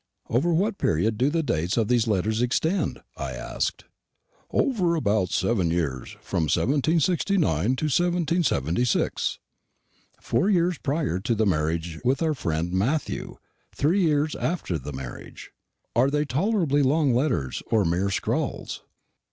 "Over what period do the dates of these letters extend?" I asked. "Over about seven years; from 1769 to 1776." Four years prior to the marriage with our friend Matthew; three years after the marriage. "Are they tolerably long letters, or mere scrawls?"